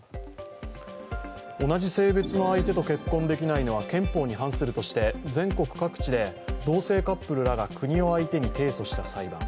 同じ性別の相手と結婚できないのは憲法に反するとして全国各地で同性カップルらが国を相手に提訴した裁判。